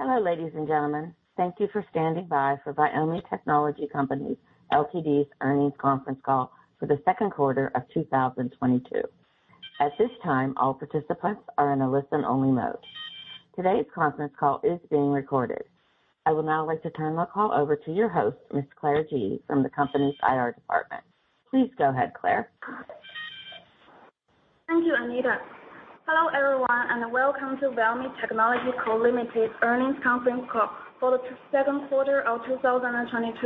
Hello, ladies and gentlemen, thank you for standing by for Viomi Technology Co., Ltd.'s earnings conference call for the second quarter of 2022. At this time, all participants are in a listen-only mode. Today's conference call is being recorded. I would now like to turn the call over to your host, Ms. Claire Ji from the company's IR department. Please go ahead, Claire. Thank you, Anita. Hello everyone, and welcome to Viomi Technology Co., Ltd's earnings conference call for the second quarter of 2022.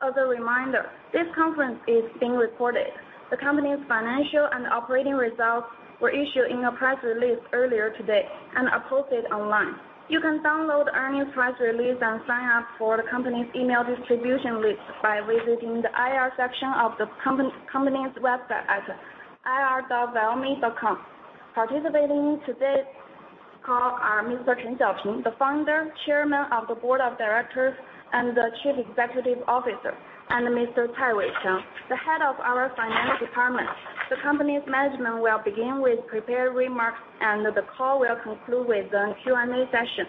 As a reminder, this conference is being recorded. The company's financial and operating results were issued in a press release earlier today and are posted online. You can download earnings press release and sign up for the company's email distribution list by visiting the IR section of the company's website at ir.viomi.com. Participating in today's call are Mr. Xiaoping Chen, the founder, chairman of the board of directors and chief executive officer, and Mr. Wickham Thai, the head of our finance department. The company's management will begin with prepared remarks and the call will conclude with the Q&A session.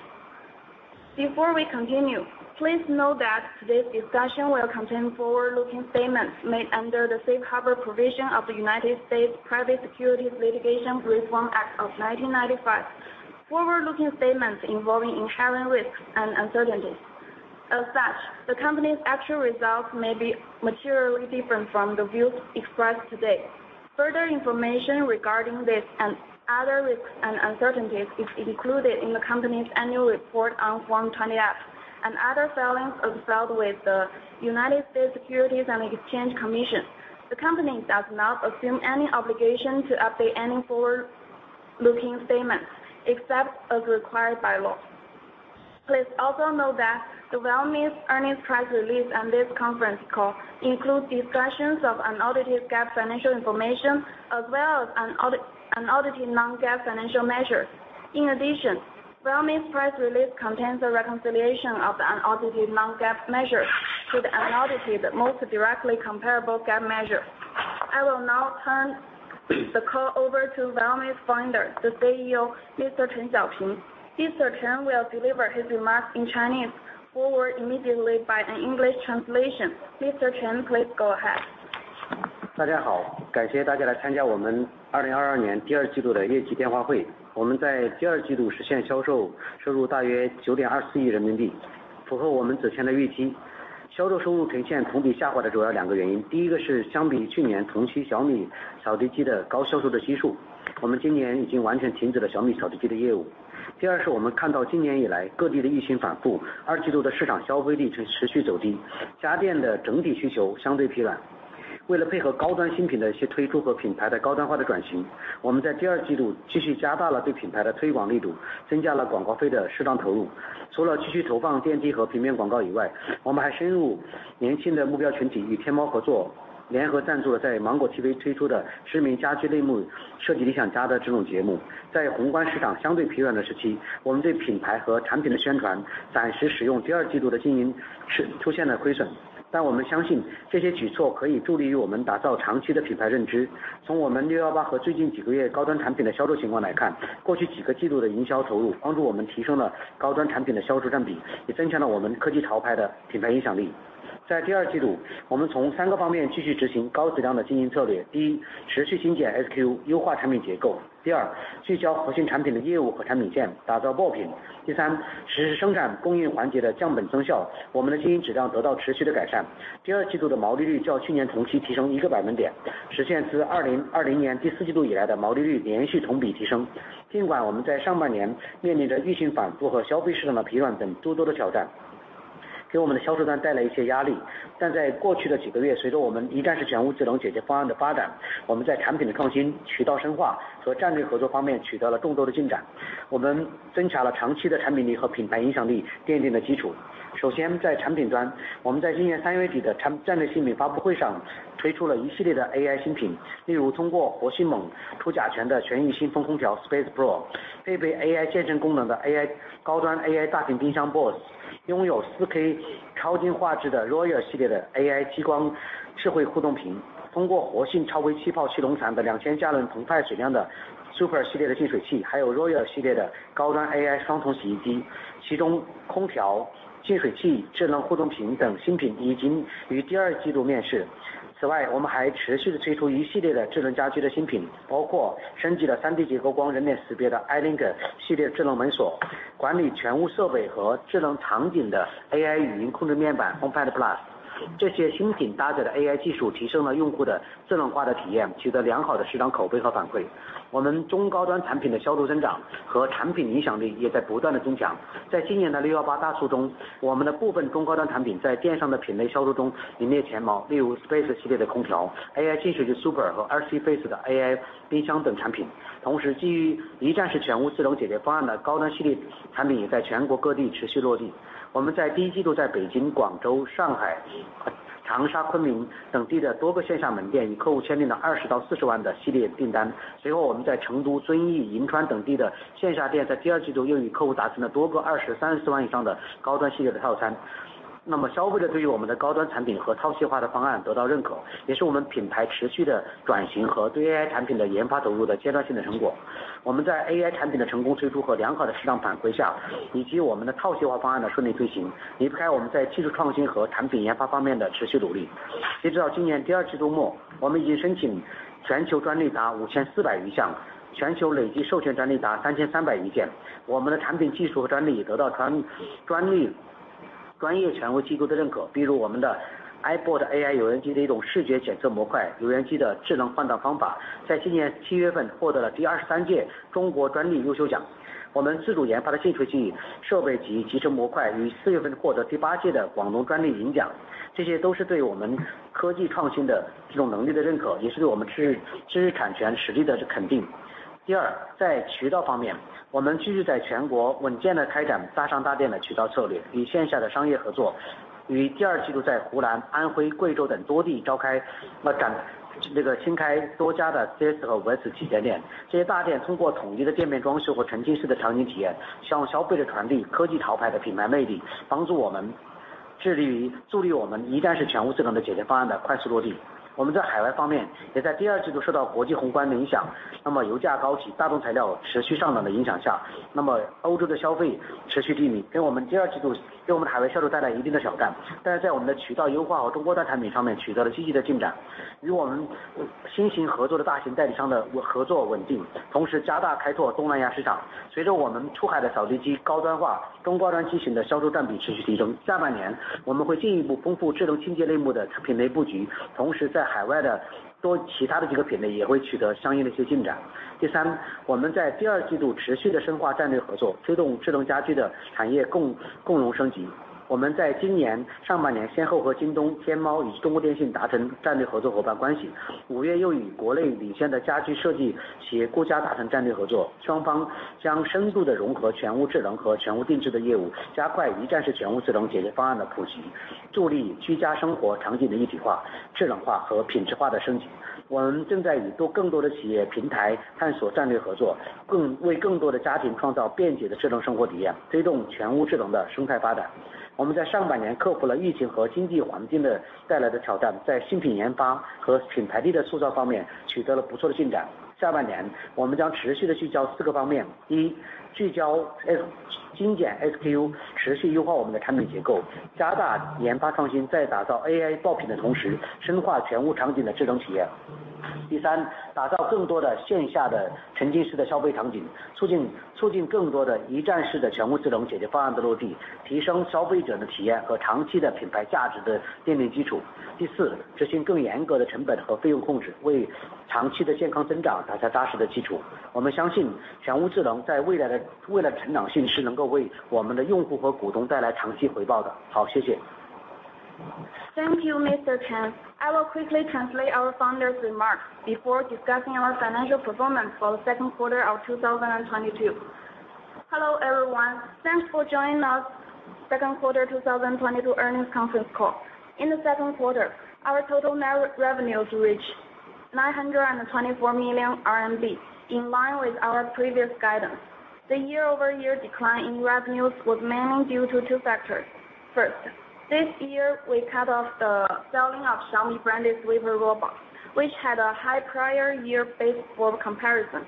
Before we continue, please note that today's discussion will contain forward-looking statements made under the safe harbor provision of the United States Private Securities Litigation Reform Act of 1995. Forward-looking statements involving inherent risks and uncertainties. As such, the company's actual results may be materially different from the views expressed today. Further information regarding this and other risks and uncertainties is included in the company's annual report on Form 20-F and other filings as filed with the United States Securities and Exchange Commission. The company does not assume any obligation to update any forward-looking statements except as required by law. Please also note that Viomi's earnings press release on this conference call includes discussions of unaudited GAAP financial information as well as unaudited non-GAAP financial measures. In addition, Viomi's press release contains a reconciliation of the unaudited non-GAAP measure to the unaudited most directly comparable GAAP measure. I will now turn the call over to Viomi's founder, the CEO, Mr. Xiaoping Chen. Mr. Xiaoping Chen, please go ahead. Pro，具备AI健身功能的高端AI大型冰箱Boss，拥有4K超清画质的Royal系列的AI激光智慧互动屏，通过活性超微气泡气溶胶的两千加仑澎湃水量的Super系列的净水器，还有Royal系列的高端AI双筒洗衣机，其中空调、净水器、智能互动屏等新品已经于第二季度面世。此外，我们还持续地推出一系列的智能家居的新品，包括升级了3D结构光人脸识别的eLink系列智能门锁，管理全屋设备和智能场景的AI语音控制面板HomePad Plus。这些新品搭载的AI技术提升了用户的智能化的体验，取得良好的市场口碑和反馈。我们中高端产品的销售增长和产品影响力也在不断地增强。在今年的618大促中，我们的部分中高端产品在店上的品类销售中领跑，例如Space系列的空调、AI净水器Super和21Face的AI冰箱等产品。同时，基于一站式全屋智能解决方案的高端系列产品也在全国各地持续落地。我们在第一季度在北京、广州、上海、长沙、昆明等地的多个线下门店与客户签订了二十到四十万的系列订单，随后我们在成都、遵义、银川等地的线下店在第二季度又与客户达成了多个二十、三十万以上的高端系列的套餐。消费者对于我们的高端产品和套系化的方案得到认可，也是我们品牌持续的转型和对AI产品的研发投入的阶段性的成果。我们在AI产品的成功推出和良好的市场反馈下，以及我们的套系化方案的顺利推行，离不开我们在技术创新和产品研发方面的持续努力。截止到今年第二季度末，我们已经申请全球专利达5,400余项，全球累计授权专利达3,300余件。我们的产品技术和专利也得到专利专业权威机构的认可，比如我们的iBot Thank you, Mr. Chen. I will quickly translate our founder's remarks before discussing our financial performance for the second quarter of 2022. Hello everyone, thanks for joining us second quarter 2022 earnings conference call. In the second quarter, our total net revenues reached 924 million RMB, in line with our previous guidance. The year-over-year decline in revenues was mainly due to two factors. First, this year we cut off the selling of Xiaomi branded sweeper robots, which had a high prior year base for comparison.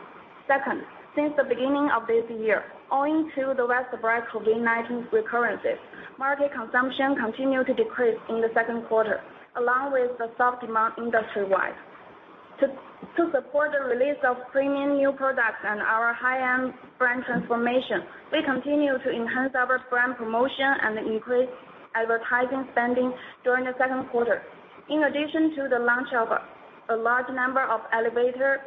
Second, since the beginning of this year, owing to the widespread COVID-19 recurrences, market consumption continued to decrease in the second quarter, along with the soft demand industry-wide. To support the release of premium new products and our high-end brand transformation, we continue to enhance our brand promotion and increase advertising spending during the second quarter. In addition to the launch of a large number of elevator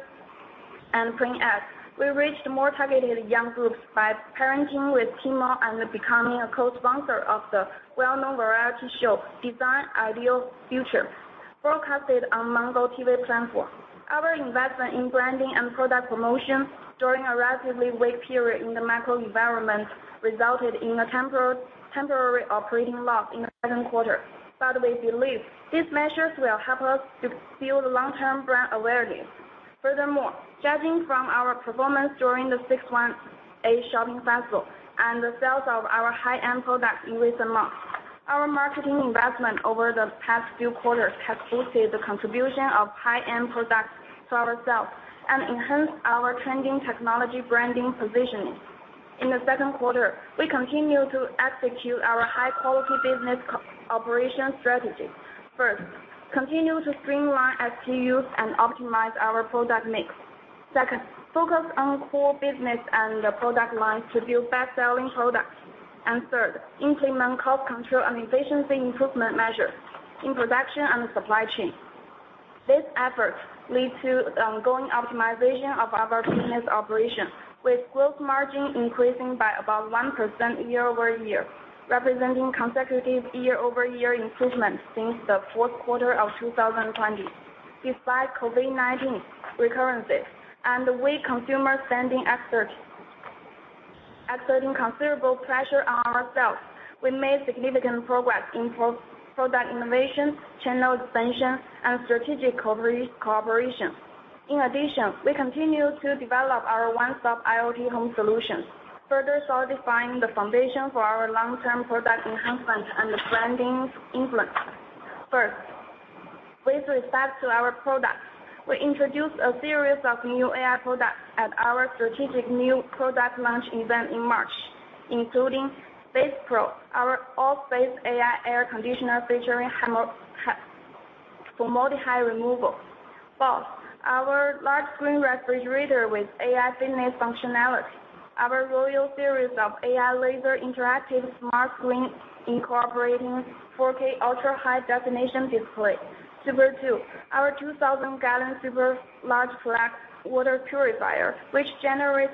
and print ads, we reached more targeted young groups by partnering with Tmall and becoming a co-sponsor of the well-known variety show Design Ideal Home, broadcast on MangoTV platform. Our investment in branding and product promotion during a relatively weak period in the macro environment resulted in a temporary operating loss in the second quarter. We believe these measures will help us to build long-term brand awareness. Furthermore, judging from our performance during the 618 shopping festival and the sales of our high-end products in recent months, our marketing investment over the past few quarters has boosted the contribution of high-end products to our sales and enhanced our trending technology branding positioning. In the second quarter, we continue to execute our high-quality business cooperation strategy. First, continue to streamline SKUs and optimize our product mix. Second, focus on core business and product lines to build best-selling products. Third, implement cost control and efficiency improvement measures in production and supply chain. These efforts lead to ongoing optimization of our business operation, with growth margin increasing by about 1% year-over-year, representing consecutive year-over-year improvements since the fourth quarter of 2020. Despite COVID-19 recurrences and weak consumer spending exerting considerable pressure on ourselves, we made significant progress in product innovation, channel expansion, and strategic cooperation. In addition, we continue to develop our one-stop IoT home solutions, further solidifying the foundation for our long-term product enhancement and the branding influence. First, with respect to our products, we introduced a series of new AI products at our strategic new product launch event in March, including Space Pro, our all-space AI air conditioner featuring formaldehyde removal. Both our large screen refrigerator with AI fitness functionality, our Royal series of AI laser interactive smart screen incorporating 4K ultra-high definition display. Super 2, our 2,000 gallon super large tank water purifier, which generates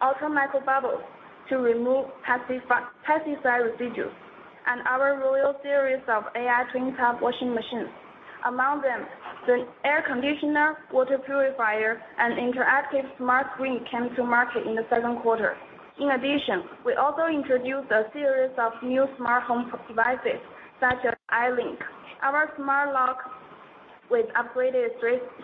ultra micro bubbles to remove pesticide residues, and our Royal series of AI twin tub washing machines. Among them, the air conditioner, water purifier, and interactive smart screen came to market in the second quarter. In addition, we also introduced a series of new smart home devices such as eLink, our smart lock with upgraded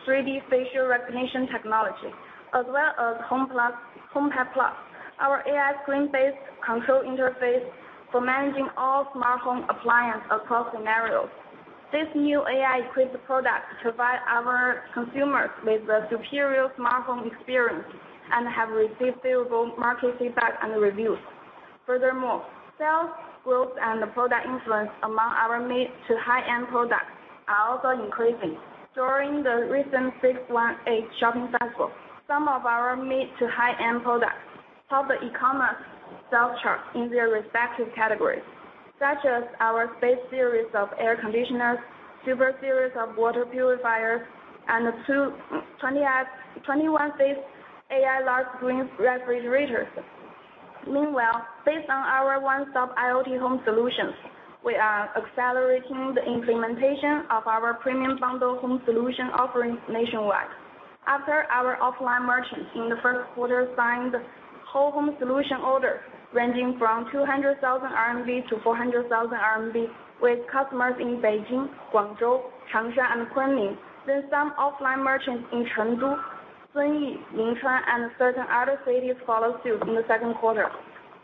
3D facial recognition technology, as well as HomePad Plus, our AI screen-based control interface for managing all smart home appliance across scenarios. These new AI-equipped products provide our consumers with a superior smart home experience and have received favorable market feedback and reviews. Furthermore, sales growth and the product influence among our mid- to high-end products are also increasing. During the recent 618 shopping festival, some of our mid- to high-end products topped the e-commerce sales chart in their respective categories, such as our Space series of air conditioners, Super series of water purifiers, and the 21Face AI large screen refrigerators. Meanwhile, based on our one-stop IoT home solutions, we are accelerating the implementation of our premium bundle home solution offerings nationwide. After our offline merchants in the first quarter signed the whole home solution order ranging from 200,000-400,000 RMB with customers in Beijing, Guangzhou, Changsha, and Kunming, some offline merchants in Chengdu, Zunyi, Yinchuan, and certain other cities followed suit in the second quarter,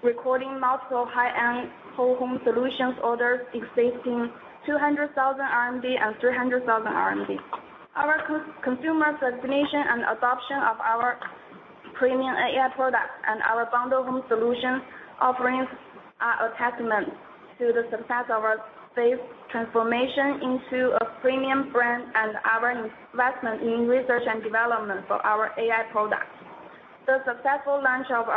recording multiple high-end whole home solutions orders exceeding 200,000 RMB and 300,000 RMB. Our customer recognition and adoption of our premium AI products and our bundle home solution offerings are a testament to the success of our space transformation into a premium brand and our investment in research and development for our AI products. The successful launch of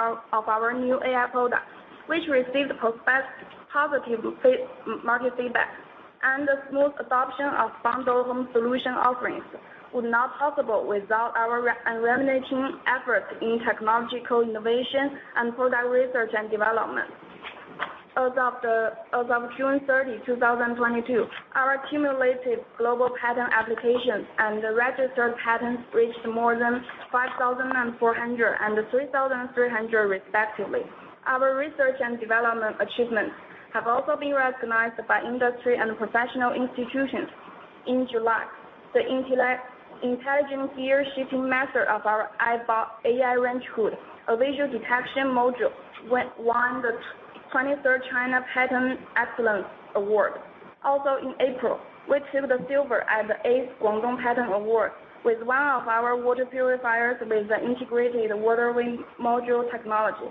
our new AI products, which received positive market feedback and the smooth adoption of bundle home solution offerings, was not possible without our unremitting efforts in technological innovation and product research and development. As of June 30, 2022, our cumulative global patent applications and registered patents reached more than 5,400 and 3,300 respectively. Our research and development achievements have also been recognized by industry and professional institutions. In July, the intelligent gear shifting method of our iBot AI range hood, a visual detection module, won the twenty-third China Patent Excellence Award. Also in April, we took the silver at the eighth Guangdong Patent Award with one of our water purifiers with the integrated water wing module technology.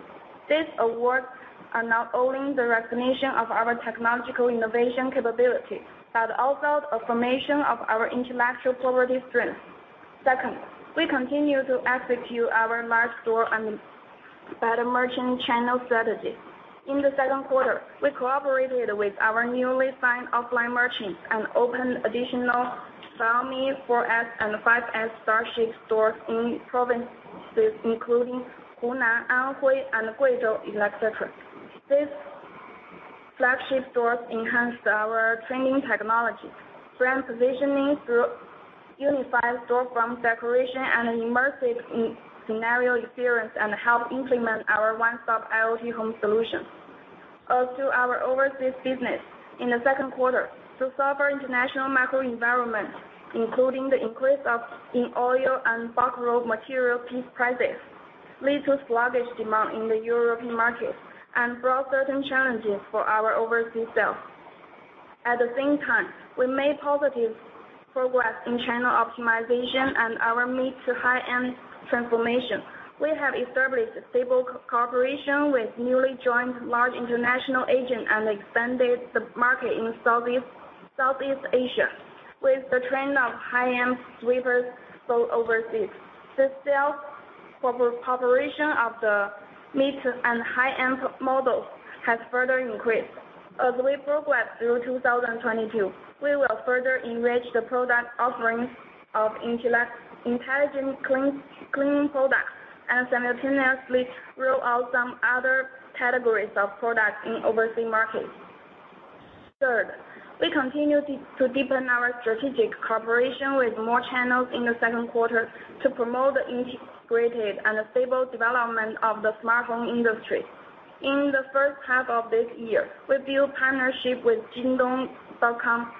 These awards are not only the recognition of our technological innovation capability, but also affirmation of our intellectual property strength. Second, we continue to execute our large store and better merchant channel strategy. In the second quarter, we collaborated with our newly signed offline merchants and opened additional Xiaomi 4S and 5S stores in provinces including Hunan, Anhui, and Guizhou, etc. These flagship stores enhanced our leading technologies, brand positioning through unified storefront decoration and an immersive experience scenario and help implement our one-stop IoT home solution. As to our overseas business, in the second quarter, the tougher international macro environment, including the increase in oil and bulk raw material prices, led to sluggish demand in the European market and brought certain challenges for our overseas sales. At the same time, we made positive progress in channel optimization and our mid- to high-end transformation. We have established stable cooperation with newly joined large international agents and expanded the market in Southeast Asia. With the trend of high-end sweepers both overseas, the sales population of the mid and high-end models has further increased. As we progress through 2022, we will further enrich the product offerings of intelligent cleaning products and simultaneously roll out some other categories of products in overseas markets. Third, we continue to deepen our strategic cooperation with more channels in the second quarter to promote the integrated and stable development of the smart home industry. In the first half of this year, we built partnership with JD.com,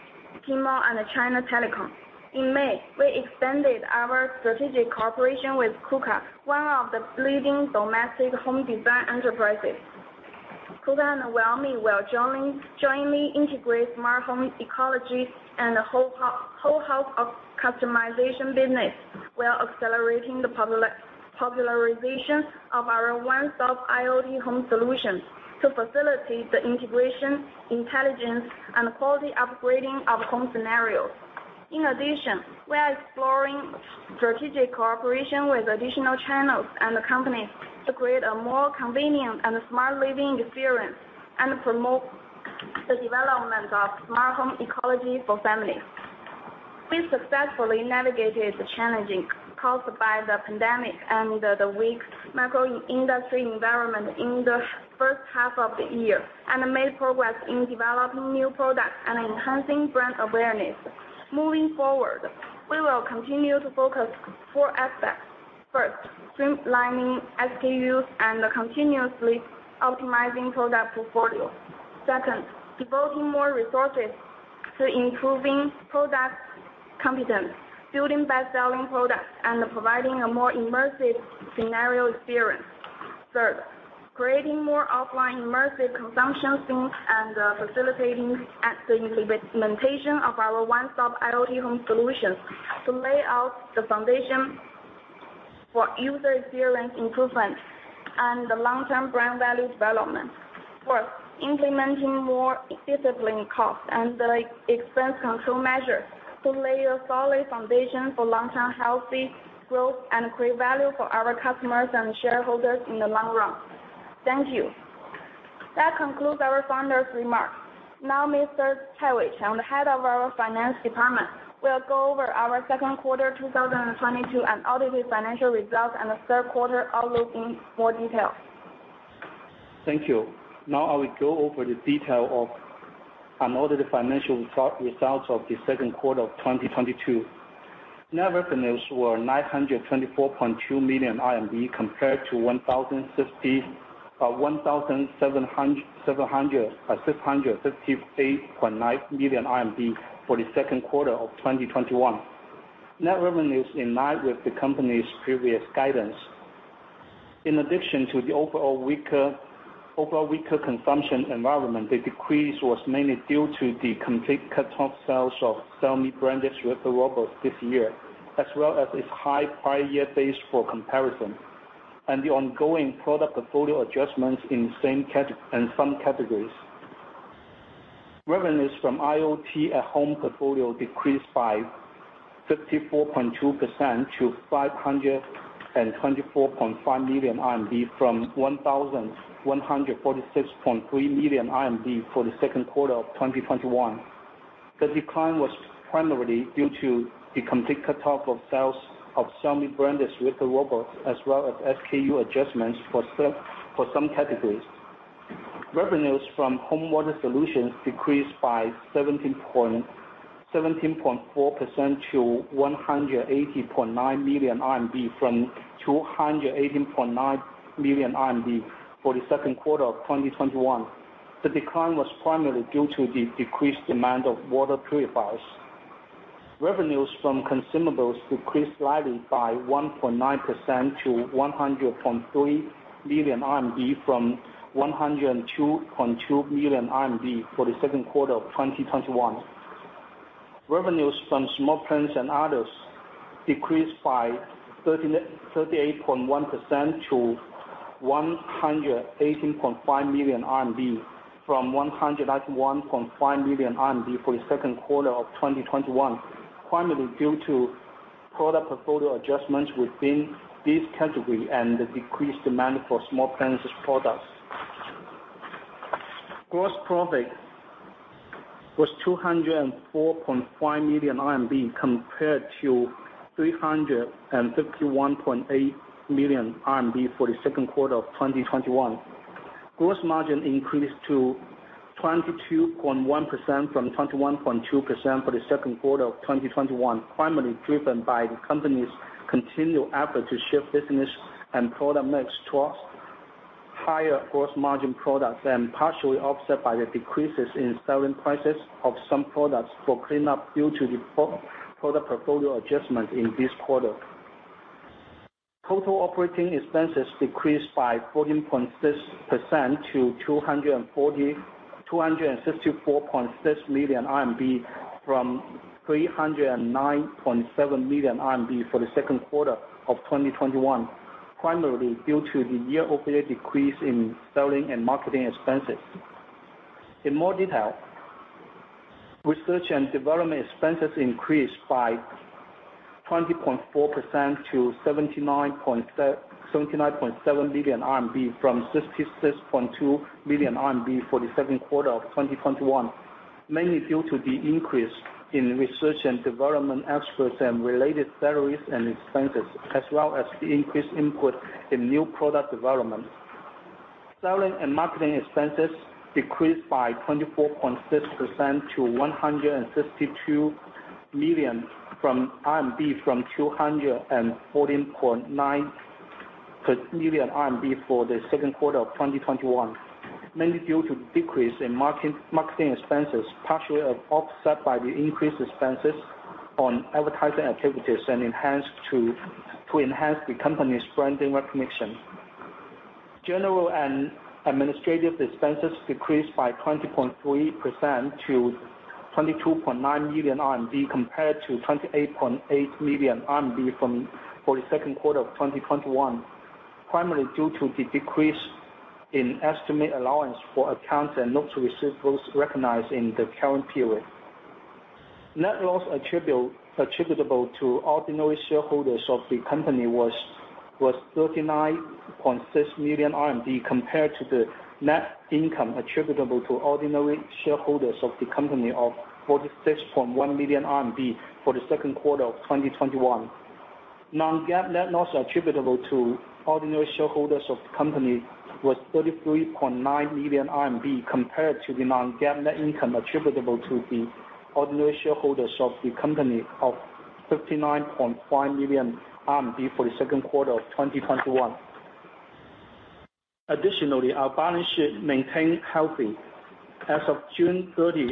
Tmall, and China Telecom. In May, we extended our strategic cooperation with Kuka Home, one of the leading domestic home design enterprises. Kuka Home and Xiaomi will jointly integrate smart home ecologies and the whole house customization business. We are accelerating the popularization of our one-stop IoT home solutions to facilitate the integration, intelligence, and quality upgrading of home scenarios. In addition, we are exploring strategic cooperation with additional channels and companies to create a more convenient and smart living experience, and promote the development of smart home ecology for families. We successfully navigated the challenges caused by the pandemic and the weak macro industry environment in the first half of the year, and made progress in developing new products and enhancing brand awareness. Moving forward, we will continue to focus four aspects. First, streamlining SKUs and continuously optimizing product portfolio. Second, devoting more resources to improving product competence, building best-selling products, and providing a more immersive scenario experience. Third, creating more offline immersive consumption scenes and facilitating the implementation of our one-stop IoT home solutions to lay out the foundation for user experience improvement and the long-term brand value development. Fourth, implementing more disciplined cost and expense control measures to lay a solid foundation for long-term healthy growth and create value for our customers and shareholders in the long run. Thank you. That concludes our founder's remarks. Now Mr. Wickham Thai, the head of our finance department, will go over our second quarter 2022 audited financial results, and the third quarter outlook in more detail. Thank you. Now I will go over the details of unaudited financial results of the second quarter of 2022. Net revenues were 924.2 million RMB compared to 1,768.9 million RMB for the second quarter of 2021. Net revenues in line with the company's previous guidance. In addition to the overall weaker consumption environment, the decrease was mainly due to the complete cut-off sales of Xiaomi-branded sweeper robots this year, as well as its high prior year base for comparison, and the ongoing product portfolio adjustments in some categories. Revenues from IoT at home portfolio decreased by 54.2% to 524.5 million RMB from 1,146.3 million RMB for the second quarter of 2021. The decline was primarily due to the complete cut-off of sales of Xiaomi-branded sweeper robots, as well as SKU adjustments for some categories. Revenues from home water solutions decreased by 17.4% to 180.9 million RMB from 218.9 million RMB for the second quarter of 2021. The decline was primarily due to the decreased demand of water purifiers. Revenues from consumables decreased slightly by 1.9% to 100.3 million RMB from 102.2 million RMB for the second quarter of 2021. Revenues from smart phones and others decreased by 38.1% to 118.5 million RMB from 191.5 million RMB for the second quarter of 2021, primarily due to product portfolio adjustments within this category and the decreased demand for small appliances products. Gross profit was 204.5 million RMB compared to 351.8 million RMB for the second quarter of 2021. Gross margin increased to 22.1% from 21.2% for the second quarter of 2021, primarily driven by the company's continued effort to shift business and product mix towards higher gross margin products, and partially offset by the decreases in selling prices of some products for cleanup due to the product portfolio adjustment in this quarter. Total operating expenses decreased by 14.6% to 264.6 million RMB from 309.7 million RMB for the second quarter of 2021, primarily due to the year-over-year decrease in selling and marketing expenses. In more detail, research and development expenses increased by 20.4% to 79.7 million RMB from 66.2 million RMB for the second quarter of 2021, mainly due to the increase in research and development experts and related salaries and expenses, as well as the increased input in new product development. Selling and marketing expenses decreased by 24.6% to 162 million RMB from 214.9 million RMB for the second quarter of 2021, mainly due to decrease in marketing expenses, partially offset by the increased expenses on advertising activities and to enhance the company's branding recognition. General and administrative expenses decreased by 20.3% to 22.9 million RMB compared to 28.8 million RMB for the second quarter of 2021, primarily due to the decrease in estimated allowance for accounts and notes receivables recognized in the current period. Net loss attributable to ordinary shareholders of the company was 39.6 million RMB compared to the net income attributable to ordinary shareholders of the company of 46.1 million RMB for the second quarter of 2021. Non-GAAP net loss attributable to ordinary shareholders of the company was 33.9 million RMB compared to the non-GAAP net income attributable to the ordinary shareholders of the company of 59.5 million RMB for the second quarter of 2021. Additionally, our balance sheet maintained healthy. As of June 30,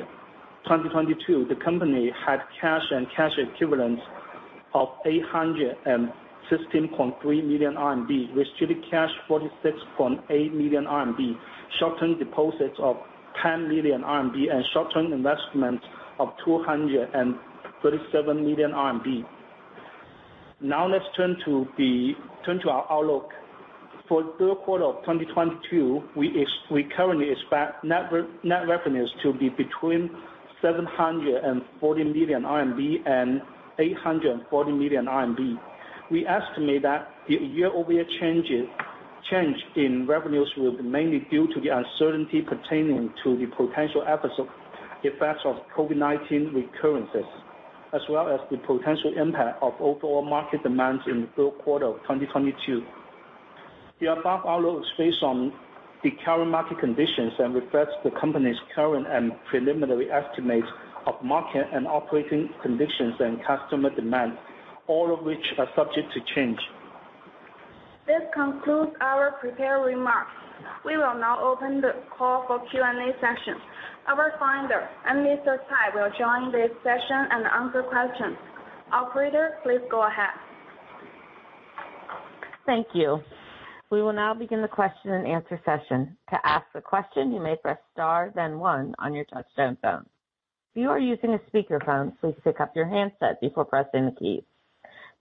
2022, the company had cash and cash equivalents of 816.3 million RMB, restricted cash 46.8 million RMB, short-term deposits of 10 million RMB, and short-term investments of 237 million RMB. Now let's turn to our outlook. For the third quarter of 2022, we currently expect net revenues to be between 740 million RMB and 840 million RMB. We estimate that the year-over-year change in revenues will be mainly due to the uncertainty pertaining to the potential effects of COVID-19 recurrences, as well as the potential impact of overall market demands in the third quarter of 2022. The above outlook is based on the current market conditions and reflects the company's current and preliminary estimates of market and operating conditions and customer demand, all of which are subject to change. This concludes our prepared remarks. We will now open the call for Q&A session. Our founder and Mr. Wickham Thai will join this session and answer questions. Operator, please go ahead. Thank you. We will now begin the question and answer session. To ask the question, you may press star then one on your touchtone phone. If you are using a speakerphone, please pick up your handset before pressing the key.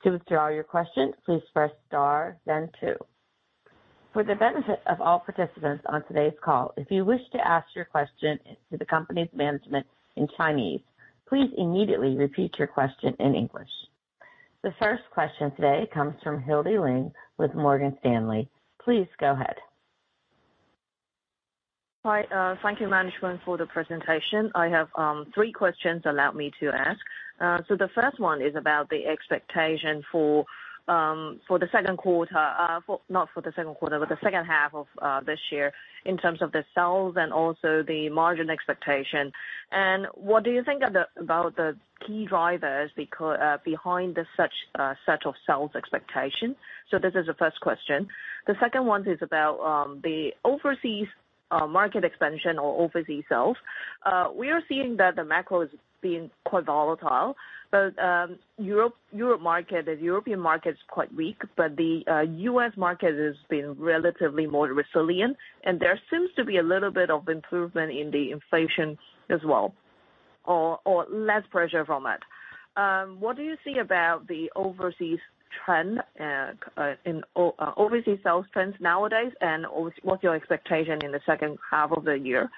To withdraw your question, please press star then two. For the benefit of all participants on today's call, if you wish to ask your question to the company's management in Chinese, please immediately repeat your question in English. The first question today comes from Hildy Ling with Morgan Stanley. Please go ahead. Hi. Thank you management for the presentation. I have three questions allow me to ask. The first one is about the expectation for the second half of this year in terms of the sales and also the margin expectation. What do you think about the key drivers behind such set of sales expectations? This is the first question. The second one is about the overseas market expansion or overseas sales. We are seeing that the macro is being quite volatile, but the European market is quite weak, but the U.S. market has been relatively more resilient, and there seems to be a little bit of improvement in the inflation as well, or less pressure from it. What do you see about the overseas trend in overseas sales trends nowadays and what's your expectation in the second half of the year?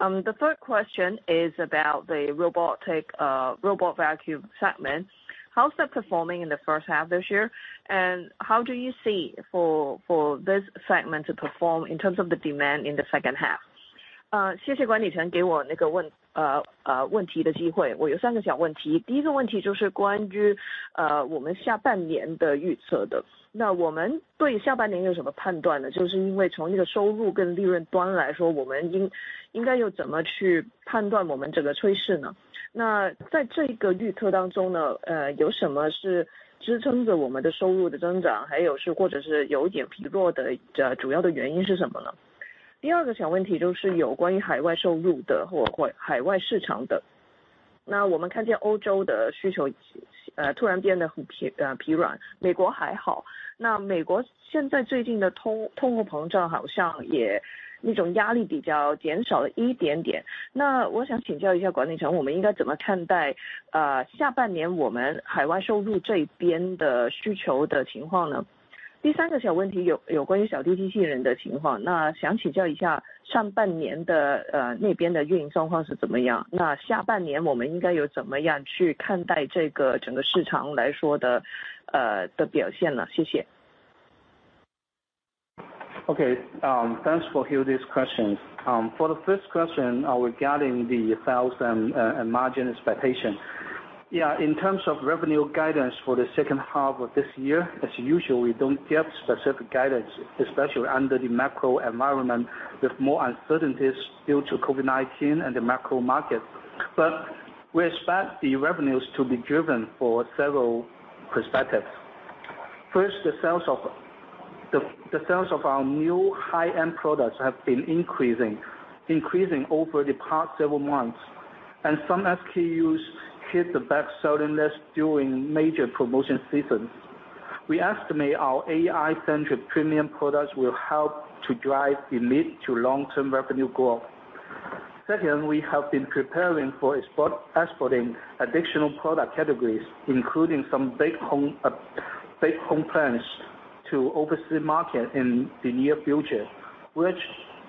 The third question is about the robot vacuum segment. How's that performing in the first half this year? And how do you see for this segment to perform in terms of the demand in the second half? Okay. Thanks for Hildy's questions. For the first question regarding the sales and margin expectation. Yeah. In terms of revenue guidance for the second half of this year, as usual, we don't give specific guidance, especially under the macro environment with more uncertainties due to COVID-19 and the macro market. We expect the revenues to be driven from several perspectives. First, the sales of our new high-end products have been increasing over the past several months, and some SKUs hit the best-selling list during major promotion seasons. We estimate our AI-centric premium products will help to drive leading to long-term revenue growth. Second, we have been preparing for export, exporting additional product categories, including some big home appliances to overseas market in the near future, which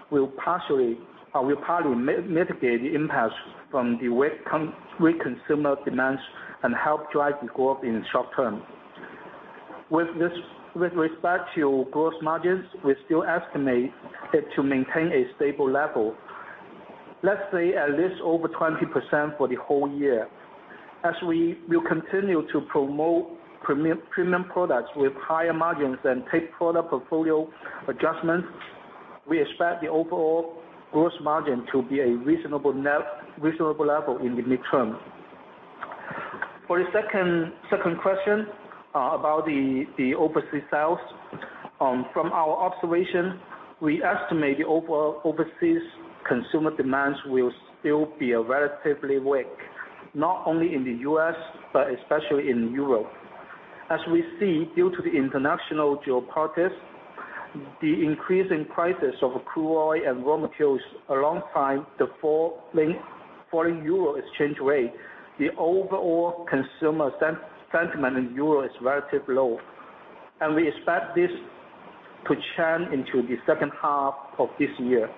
will partially mitigate the impacts from the weak consumer demands and help drive growth in the short term. With respect to gross margins, we still estimate it to maintain a stable level, let's say at least over 20% for the whole year. As we will continue to promote premium products with higher margins and take product portfolio adjustments, we expect the overall gross margin to be a reasonable level in the midterm. For the second question, about the overseas sales, from our observation, we estimate the overseas consumer demands will still be relatively weak, not only in the U.S., but especially in Europe. As we see, due to the international geopolitics, the increasing prices of crude oil and raw materials, alongside the falling euro exchange rate, the overall consumer sentiment in Europe is relatively low, and we expect this to change into the second half of this year.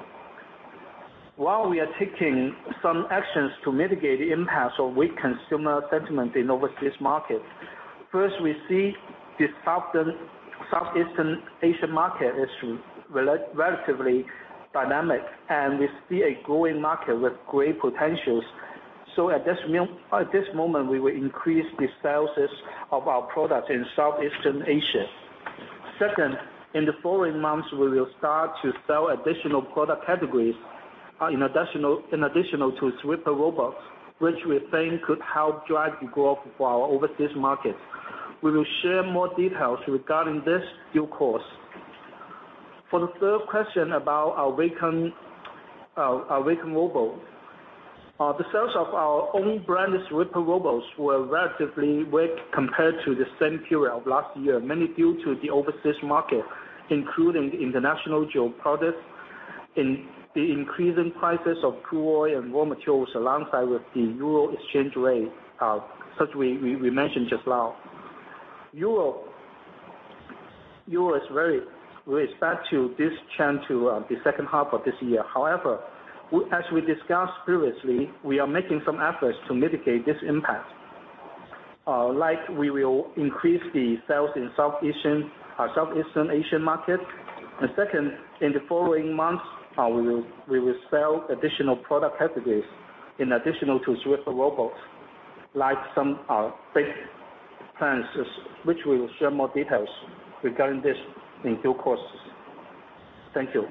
While we are taking some actions to mitigate the impacts of weak consumer sentiment in overseas markets, first, we see the Southeastern Asian market is relatively dynamic, and we see a growing market with great potentials. At this moment, we will increase the sales of our products in Southeastern Asia. Second, in the following months, we will start to sell additional product categories in addition to sweeper robots, which we think could help drive the growth for our overseas markets. We will share more details regarding this in due course. For the third question about our vacuum robot. The sales of our own brand sweeper robots were relatively weak compared to the same period of last year, mainly due to the overseas market, including international geopolitics in the increasing prices of crude oil and raw materials, alongside with the euro exchange rate, that we mentioned just now. Euro is very sensitive to this change to the second half of this year. However, as we discussed previously, we are making some efforts to mitigate this impact. Like we will increase the sales in South Asian, Southeastern Asian market. Second, in the following months, we will sell additional product categories in addition to sweeper robots like some big plans, which we will share more details regarding this in due course. Thank you.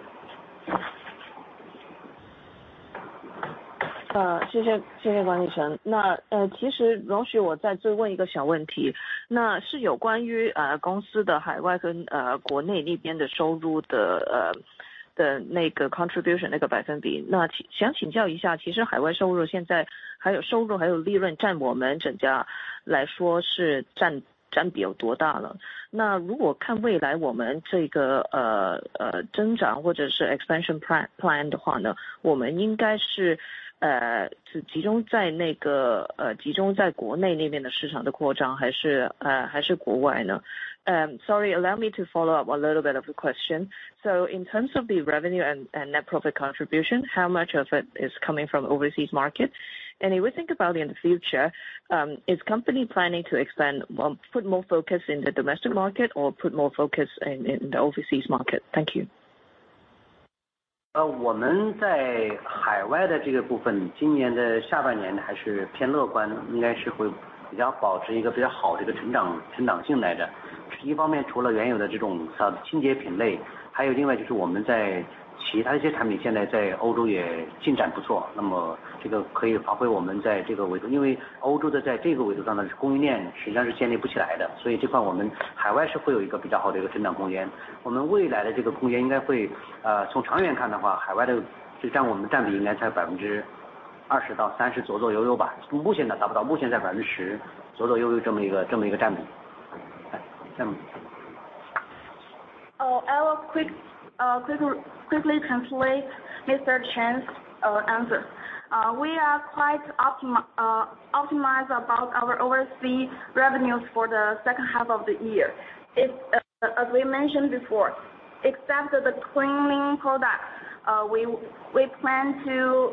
Sorry, allow me to follow up a little bit on the question. In terms of the revenue and net profit contribution, how much of it is coming from overseas market? If we think about in the future, is company planning to expand more, put more focus in the domestic market or put more focus in the overseas market? Thank you. I will quickly translate Mr. Chen's answer. We are quite optimized about our overseas revenues for the second half of the year. It's as we mentioned before, except for the cleaning products, we plan to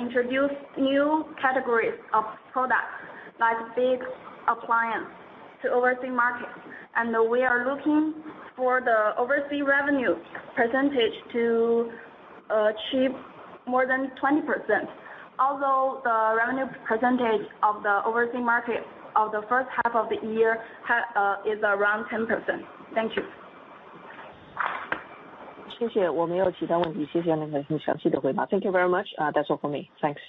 introduce new categories of products like big appliance to overseas markets. We are looking for the overseas revenue percentage to achieve more than 20%. Although the revenue percentage of the overseas market of the first half of the year is around 10%. Thank you. 谢谢。我没有其他问题。谢谢您很详细的回答。Thank you very much. That's all for me, thanks.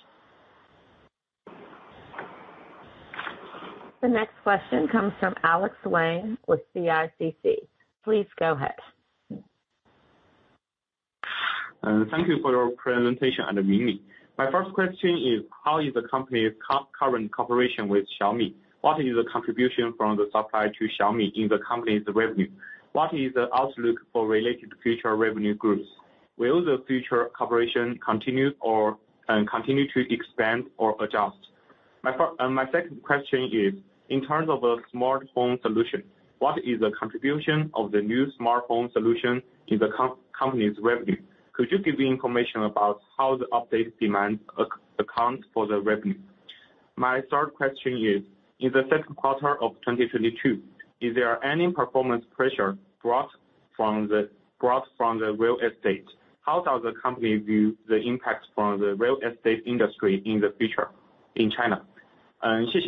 The next question comes from Alex Wang with CICC. Please go ahead. Thank you for your presentation. My first question is how is the company's current cooperation with Xiaomi? What is the contribution from the supply to Xiaomi in the company's revenue? What is the outlook for related future revenue growth? Will the future cooperation continue to expand or adjust? My second question is, in terms of a smart home solution, what is the contribution of the new smart home solution in the company's revenue? Could you give me information about how the updated demand accounts for the revenue? My third question is, in the second quarter of 2022, is there any performance pressure brought from the real estate? How does the company view the impact from the real estate industry in the future in China? Okay.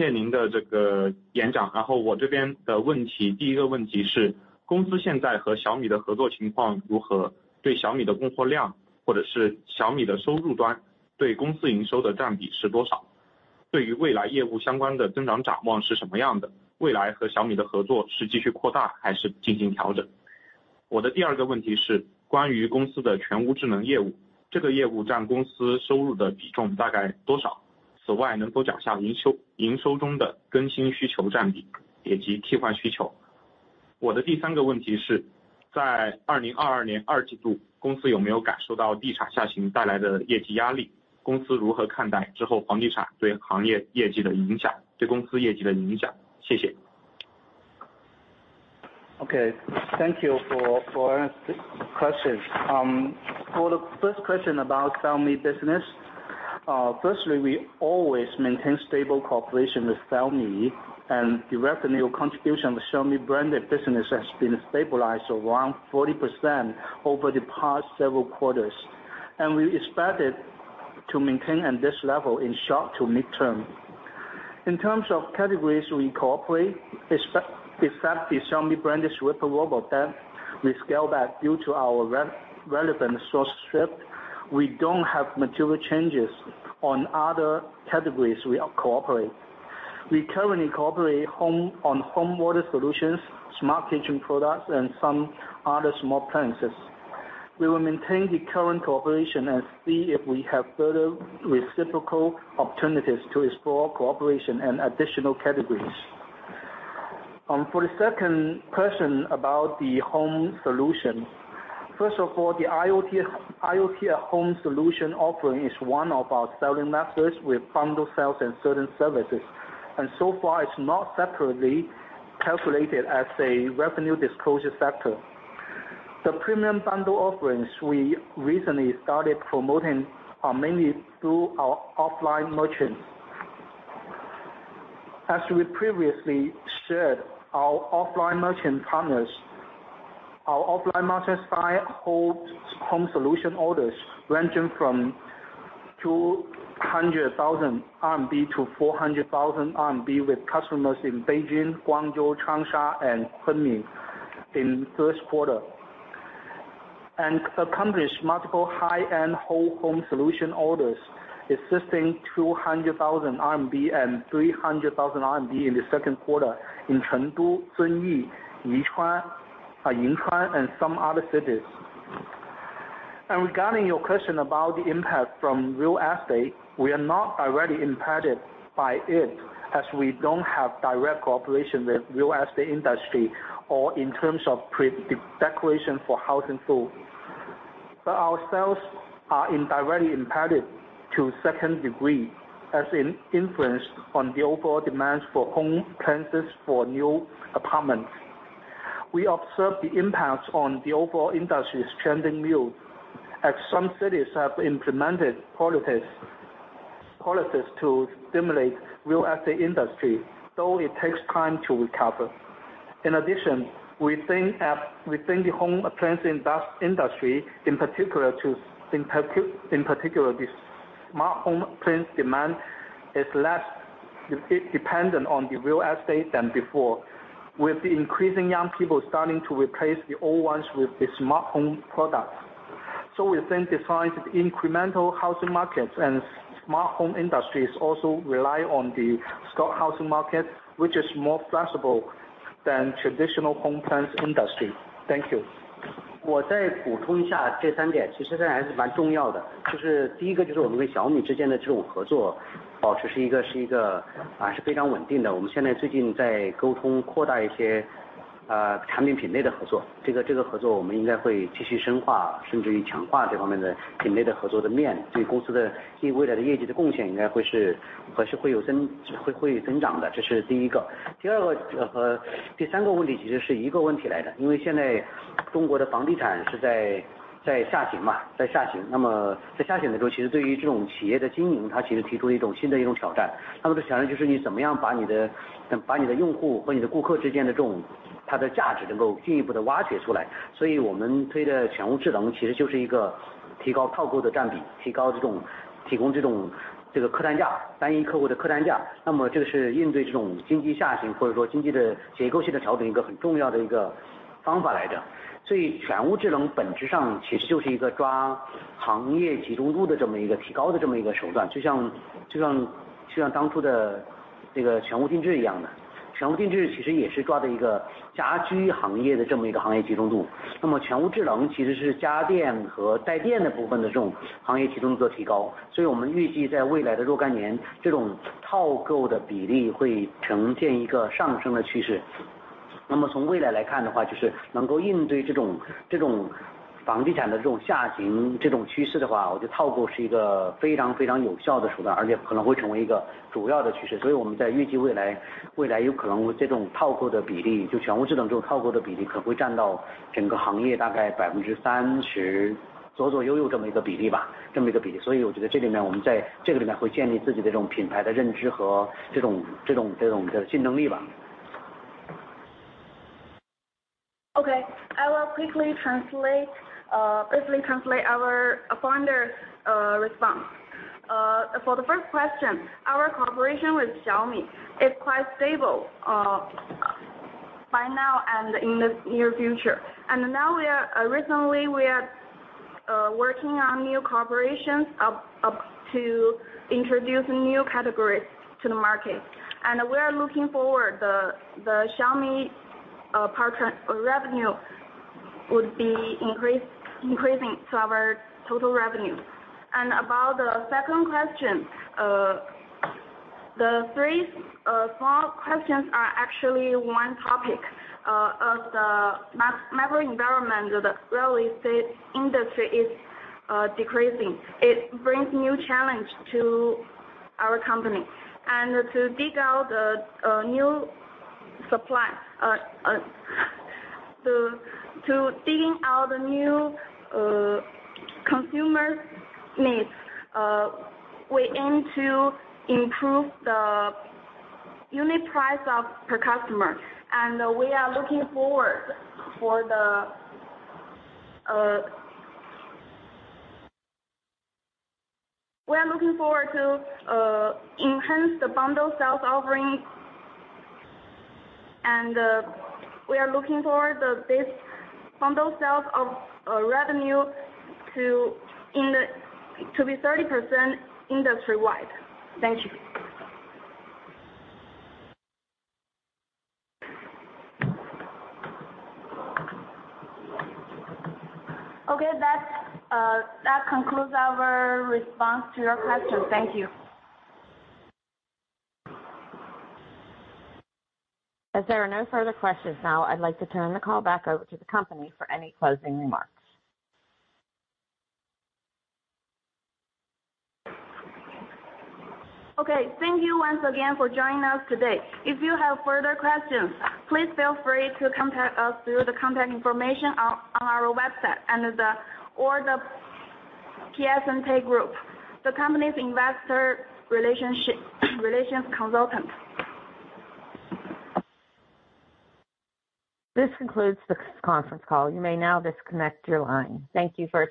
Thank you for asking questions. For the first question about Xiaomi business. Firstly, we always maintain stable cooperation with Xiaomi and the revenue contribution with Xiaomi branded business has been stabilized around 40% over the past several quarters, and we expected to maintain at this level in short to mid term. In terms of categories we cooperate, except the Xiaomi branded sweeper robot that we scale back due to our relevant resource shift, we don't have material changes on other categories we are cooperate. We currently cooperate on home water solutions, smart kitchen products and some other small appliances. We will maintain the current cooperation and see if we have further reciprocal opportunities to explore cooperation and additional categories. For the second question about the home solution. First of all, the IoT home solution offering is one of our selling methods with bundle sales and certain services, and so far it's not separately calculated as a revenue disclosure factor. The premium bundle offerings we recently started promoting are mainly through our offline merchants. As we previously shared, our offline merchant partners. Our offline merchant side holds home solution orders ranging from 200,000-400,000 RMB with customers in Beijing, Guangzhou, Changsha and Kunming in first quarter. Accomplished multiple high-end whole home solution orders exceeding 200,000 RMB and 300,000 RMB in the second quarter in Chengdu, Zunyi, Yinchuan and some other cities. Regarding your question about the impact from real estate, we are not directly impacted by it as we don't have direct cooperation with real estate industry or in terms of pre-decoration for housing sold, but our sales are indirectly impacted to second degree as an influence on the overall demands for home appliances for new apartments. We observe the impacts on the overall industry is trending now as some cities have implemented policies to stimulate real estate industry, though it takes time to recover. In addition, we think the home appliance industry in particular the smart home appliance demand is less dependent on the real estate than before. With the increasing young people starting to replace the old ones with the smart home products. We think the size of incremental housing markets and smart home industries also rely on the stock housing market, which is more flexible than traditional home appliance industry. Thank you. Okay. I will quickly translate, basically translate our founder response. For the first question, our cooperation with Xiaomi is quite stable by now and in the near future. Now we are working on new cooperation up to introduce new categories to the market and we are looking forward to the Xiaomi partner revenue would be increasing to our total revenue. About the second question, the three or four questions are actually one topic. Of the macro environment of the real estate industry is decreasing. It brings new challenge to our company. To dig out a new supply to digging out the new consumers needs we aim to improve the unit price per customer. We are looking forward to enhance the bundle sales offering. We are looking forward to the this bundle sales revenue to be 30% industry wide. Thank you. Okay, that concludes our response to your questions. Thank you. As there are no further questions now, I'd like to turn the call back over to the company for any closing remarks. Okay. Thank you once again for joining us today. If you have further questions, please feel free to contact us through the contact information on our website and The Piacente Group, the company's investor relations consultant. This concludes this conference call. You may now disconnect your line. Thank you for-